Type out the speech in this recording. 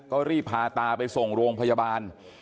ก็รีบพาตาไปส่งโรงพยาบาล